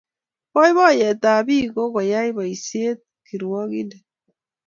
Boiboyetab ab biik ko koyay boiset kirwongindet